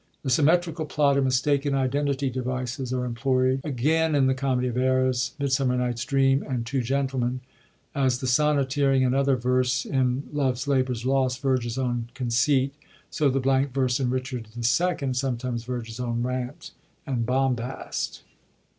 The symmetrical plot and mistaken identity devices are employd again in the Comedy of Errors, Midsum,m£r Night^s Dream, and Tvx> Gentlemen. As the sonneteering and other verse in Lovers Labour *s Lost verges on conceit, so the blank verse in Richard II. sometimes verges on rant and bombast.